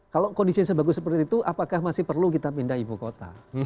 kalau kondisi sebagus seperti itu apakah masih perlu kita pindah ibu kota